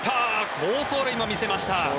好走塁も見せました。